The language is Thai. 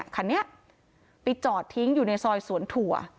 คันนี้ไปจอดทิ้งอยู่ในซอยสวนถั่ว